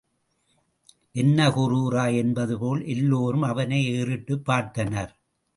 என்ன கூறுகிறாய் என்பது போல், எல்லோரும் அவனை ஏறிட்டுப் பார்த்தனர்.